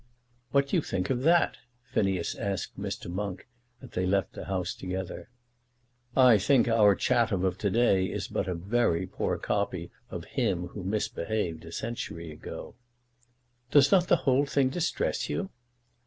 "What do you think of that?" Phineas asked Mr. Monk as they left the House together. "I think that our Chatham of to day is but a very poor copy of him who misbehaved a century ago." "Does not the whole thing distress you?"